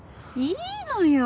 いいのよ。